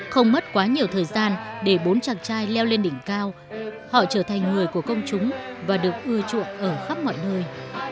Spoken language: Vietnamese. không mất quá nhiều thời gian để bốn chàng trai leo lên đỉnh cao họ trở thành người của công chúng và được ưa chuộng ở khắp mọi nơi